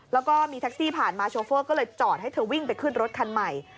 แล้วก็มีแท็กซี่ผ่านมาโชเฟอร์ก็เลยจอดให้เธอวิ่งไปขึ้นรถคันใหม่